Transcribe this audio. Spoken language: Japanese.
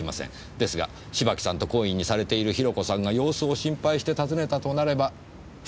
ですが芝木さんと懇意にされているヒロコさんが様子を心配して訪ねたとなれば不都合はありません。